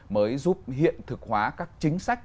mới giúp hiện thực hóa các chính sách